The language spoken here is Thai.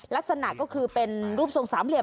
ลักษณะก็คือเป็นรูปทรงสามเหลี่ย